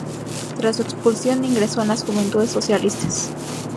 Tras su expulsión, ingresó en las Juventudes Socialistas.